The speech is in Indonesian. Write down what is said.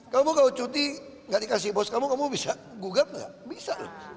kamu kalau cuti gak dikasih bos kamu kamu bisa gugat nggak bisa loh